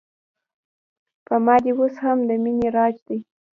په ما دې اوس هم د مینې راج دی